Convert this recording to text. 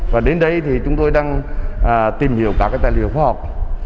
và đến đây thì chúng tôi đang tìm hiểu các tài liệu khoa học